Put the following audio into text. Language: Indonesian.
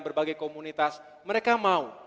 berbagai komunitas mereka mau